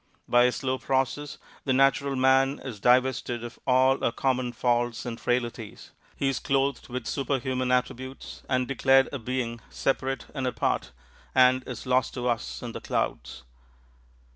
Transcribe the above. By a slow process, the natural man is divested of all our common faults and frailties; he is clothed with superhuman attributes and declared a being separate and apart, and is lost to us in the clouds.